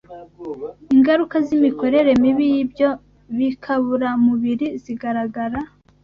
Ingaruka z’imikorere mibi y’ibyo bikaburamubiri zigaragara